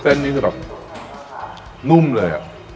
เส้นนี้คือแบบนุ่มเลยอะ